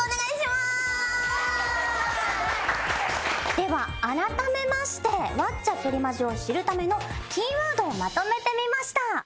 では改めまして『ワッチャプリマジ！』を知るためのキーワードをまとめてみました。